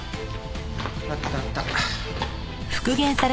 あったあった。